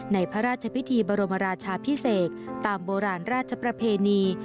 ในพระราชพิธีบรมราชาพิเศษตามโบราณราชประเพณี